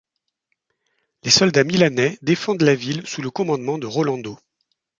Les soldats milanais défendent la ville sous le commandement de Rolando.